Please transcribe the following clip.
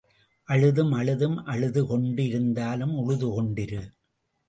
அழுதும் அழுதும், அழுது கொண்டு இருந்தாலும் உழுது கொண்டிரு.